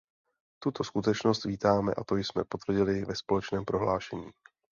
Tuto skutečnost vítáme a to jsme potvrdili ve společném prohlášení.